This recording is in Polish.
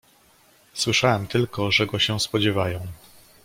"Słyszałem tylko, że go się spodziewają."